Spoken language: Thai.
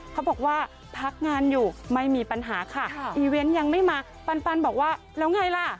เขาบอกว่าพักงานอยู่ไม่มีปัญหาค่ะอีเวนต์ยังไม่มาปันบอกว่าแล้วไงล่ะ